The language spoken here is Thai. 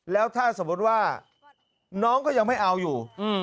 แล้วถ้าสมมุติว่าน้องก็ยังไม่เอาอยู่